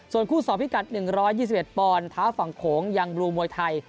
ส่วนคู่สอบพิกัด๑๒๑ปอนด์ท้าฝั่งโขงยังบลูมวยไทย